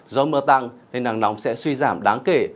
do mưa tăng nên nắng nóng sẽ suy giảm đáng kể